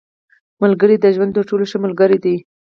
• ملګری د ژوند تر ټولو ښه ملګری دی.